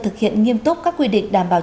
thực hiện nghiêm túc các quy định đảm bảo